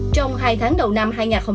trong hai tháng đầu năm hai nghìn hai mươi